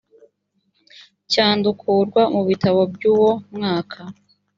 cyandukurwa mu bitabo by uwo mwaka